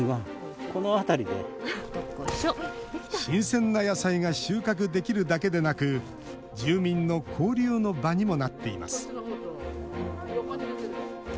新鮮な野菜が収穫できるだけでなく住民の交流の場にもなっています。